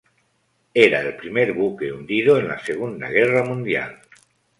Era el primer buque hundido en la Segunda Guerra Mundial.